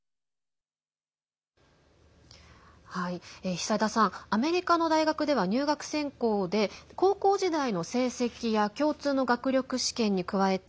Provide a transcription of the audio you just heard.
久枝さんアメリカの大学では高校時代の成績や共通の学力試験に加えて